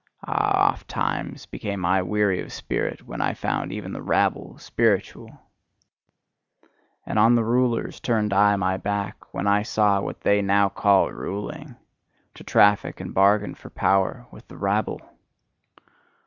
Ah, ofttimes became I weary of spirit, when I found even the rabble spiritual! And on the rulers turned I my back, when I saw what they now call ruling: to traffic and bargain for power with the rabble!